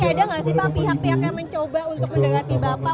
ada nggak sih pak pihak pihak yang mencoba untuk mendengati bapak